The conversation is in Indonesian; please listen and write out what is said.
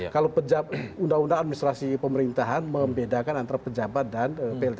kalau undang undang administrasi pemerintahan membedakan antara pejabat dan plt